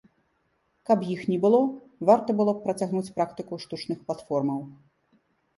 Каб іх не было, варта было б працягнуць практыку штучных платформаў.